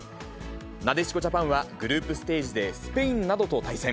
なでしこジャパンはグループステージでスペインなどと対戦。